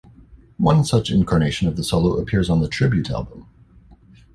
One such incarnation of the solo appears on the "Tribute" album.